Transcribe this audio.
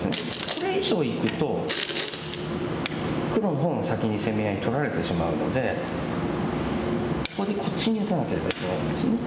これ以上いくと黒の方も先に攻め合い取られてしまうのでここでこっちに打たなければいけないんですね。